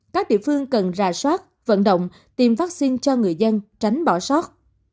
các địa phương cần ra soát vận động tiêm vaccine cho người dân tránh bỏ sót